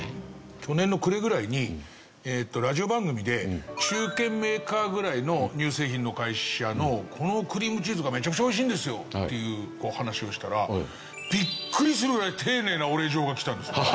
去年の暮れぐらいにラジオ番組で中堅メーカーぐらいの乳製品の会社のこのクリームチーズがめちゃくちゃおいしいんですよっていう話をしたらビックリするぐらい丁寧なお礼状が来たんですよ。